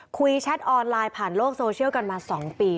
แชทออนไลน์ผ่านโลกโซเชียลกันมา๒ปี